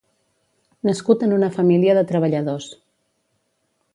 Nascut en una família de treballadors.